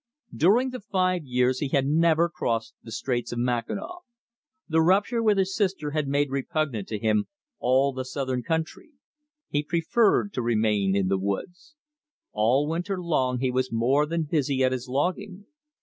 During the five years he had never crossed the Straits of Mackinaw. The rupture with his sister had made repugnant to him all the southern country. He preferred to remain in the woods. All winter long he was more than busy at his logging.